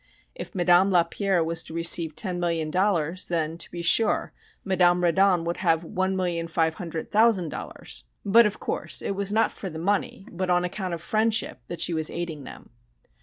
If Madame Lapierre was to receive ten million dollars, then, to be sure, Madame Reddon would have one million five hundred thouand dollars; but, of course, it was not for the money, but on account of friendship, that she was aiding them.